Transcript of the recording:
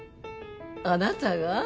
あなたが？